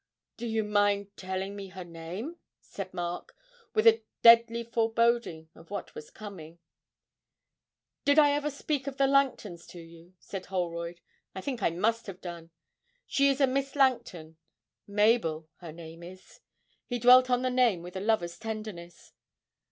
'Do you mind telling me her name?' said Mark, with a deadly foreboding of what was coming. 'Did I never speak of the Langtons to you?' said Holroyd. 'I think I must have done so. She is a Miss Langton. Mabel, her name is' (he dwelt on the name with a lover's tenderness).